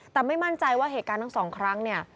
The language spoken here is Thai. แต่ไม่มั่นใจว่าเหตุการณ์ทั้งสองครั้งเนี่ย